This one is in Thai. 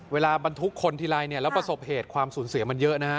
เวลามันทุกคนที่ไลน์แล้วประสบเหตุความสูญเสียมันเยอะนะฮะ